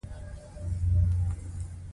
اقتصادي بحران د خلکو ژوند اغېزمنوي.